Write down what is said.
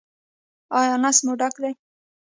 ایا نس مو ډک دی؟